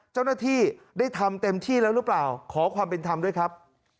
เจ้าหน้าที่ได้ทำเต็มที่แล้วหรือเปล่าขอความเป็นธรรมด้วยครับ